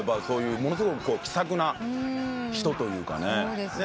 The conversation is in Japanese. そういうものすごく気さくな人というかね。